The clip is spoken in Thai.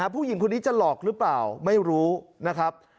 ผู้หญิงคนนี้จะหลอกหรือเปล่าไม่รู้นะครับ